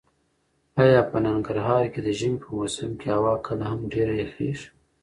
ایا په ننګرهار کې د ژمي په موسم کې هوا کله هم ډېره یخیږي؟